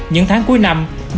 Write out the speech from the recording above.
những tháng cuối năm